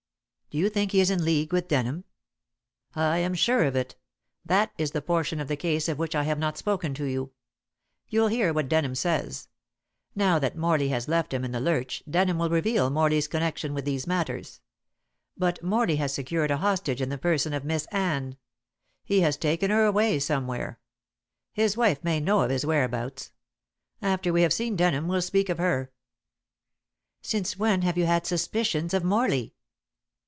"Do you think he is in league with Denham?" "I am sure of it. That is the portion of the case of which I have not spoken to you. You'll hear what Denham says. Now that Morley has left him in the lurch Denham will reveal Morley's connection with these matters. But Morley has secured a hostage in the person of Miss Anne. He has taken her away somewhere. His wife may know of his whereabouts. After we have seen Denham we'll speak of her." "Since when have you had suspicions of Morley?"